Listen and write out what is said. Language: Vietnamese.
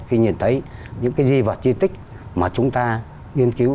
khi nhìn thấy những cái gì và chi tích mà chúng ta nghiên cứu